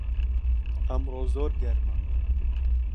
ئەمڕۆ زۆر گەرمە